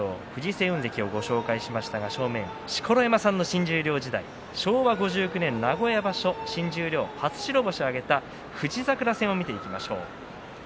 青雲関をご紹介しましたが錣山さんの新十両時代昭和５９年名古屋場所初白星を挙げた富士櫻戦を見てみましょう。